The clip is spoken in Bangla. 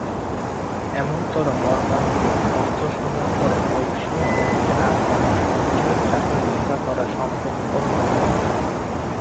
এমনতরো মর্মান্তিক ভর্ৎসনার পরে বংশীর পক্ষে আর তাহার সঞ্চয়ের টাকা রক্ষা করা সম্ভবপর নহে।